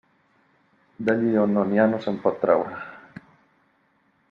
D'allí a on no n'hi ha no se'n pot traure.